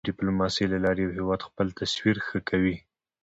د ډیپلوماسی له لارې یو هېواد خپل تصویر ښه کوی.